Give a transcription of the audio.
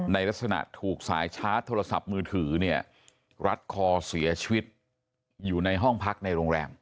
ลักษณะถูกสายชาร์จโทรศัพท์มือถือเนี่ยรัดคอเสียชีวิตอยู่ในห้องพักในโรงแรม